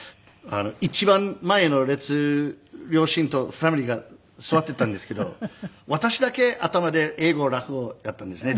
一番前の列両親とファミリーが座っていたんですけど私だけ頭で英語落語をやったんですね